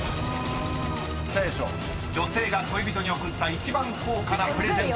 ［女性が恋人に贈った一番高価なプレゼント］